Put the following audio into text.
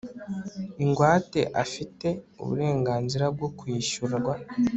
ingwate afite uburenganzira bwo kwishyurwa